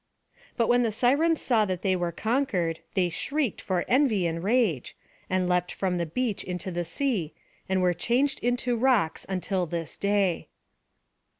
But when the Sirens saw that they were conquered, they shrieked for envy and rage, and leapt from the beach into the sea, and were changed into rocks until this day.